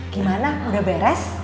gimana udah beres